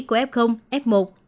của f f một